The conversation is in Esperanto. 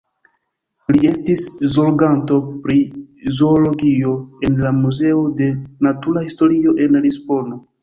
Li estis zorganto pri zoologio en la Muzeo de Natura Historio en Lisbono.